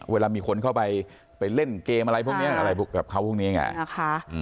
เวลามีคนเข้าไปเล่นเกมอะไรพวกนี้อะไรพวกเขาพวกนี้ไงนะคะ